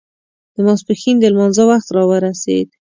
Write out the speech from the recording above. د ماسپښين د لمانځه وخت را ورسېد.